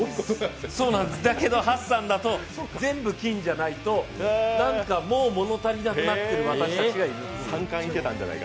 だけどハッサンだと全部金じゃないとなんかもう物足りなくなってる私たちがいる。